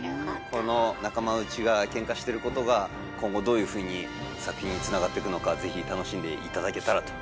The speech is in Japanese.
この仲間内がケンカしてることが今後どういうふうに作品につながっていくのかぜひ楽しんで頂けたらと思います。